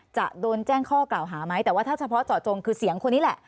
จะโดนแจ้งข้อกล่าวหาไหมแต่ว่าถ้าเฉพาะเจาะจงคือเสียงคนนี้แหละ